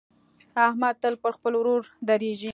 احمد تل پر خپل ورور درېږي.